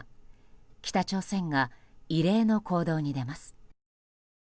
北朝鮮が異例の行動に出ます。